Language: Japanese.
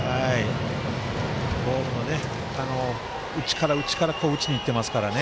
ボールの内から、内から打ちにいってますからね。